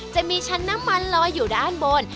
จะมีชั้นน้ำมันลอยอยู่ด้านบน